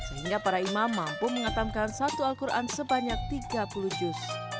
sehingga para imam mampu mengatamkan satu al quran sebanyak tiga puluh juz